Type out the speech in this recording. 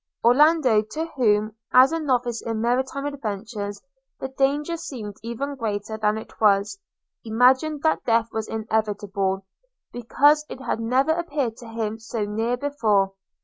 Orlando, to whom as a novice in maritime adventures the danger seemed even greater than it was, imagined that death was inevitable, because it had never appeared to him so near before.